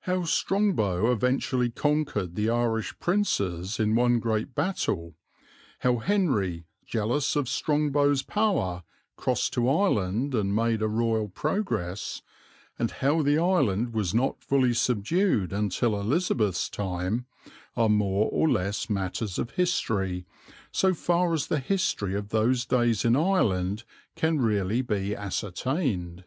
How Strongbow eventually conquered the Irish princes in one great battle, how Henry, jealous of Strongbow's power, crossed to Ireland and made a Royal progress, and how the island was not fully subdued until Elizabeth's time, are more or less matters of history, so far as the history of those days in Ireland can really be ascertained.